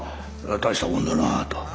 大したものだなあと。